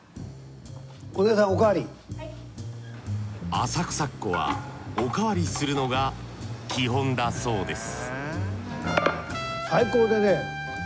浅草っ子はおかわりするのが基本だそうです